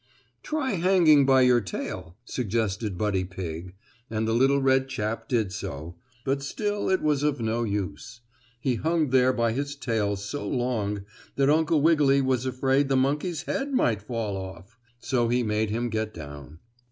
"Try hanging by your tail," suggested Buddy Pigg, and the little red chap did so, but still it was of no use. He hung there by his tail so long that Uncle Wiggily was afraid the monkey's head might fall off, so he made him get down.